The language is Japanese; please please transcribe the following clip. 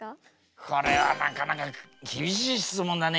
これはなかなか厳しい質問だね